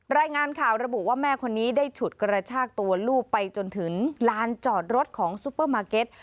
รายงานข่าวระบุว่าแม่คนนี้ได้ฉุดกระชากตัวลูกไปจนถึงลานจอดรถของซุปเปอร์มาร์เก็ต